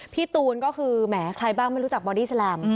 พี่ตูนก็คือแหมใครบ้างไม่รู้จักบอดี้แลม